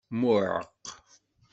Mɛuqq.